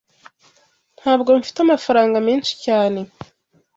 Ntabwo mfite amafaranga menshi cyane.